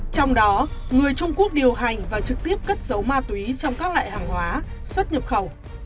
trong đó người trung quốc điều hành và trực tiếp cất dấu ma túy trong các loại hàng hóa xuất nhập khẩu